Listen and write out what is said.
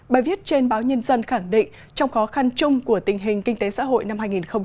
bài viết trên báo nhân dân khẳng định trong khó khăn chung của tình hình kinh tế xã hội năm hai nghìn một mươi chín